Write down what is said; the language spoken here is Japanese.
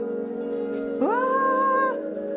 うわ！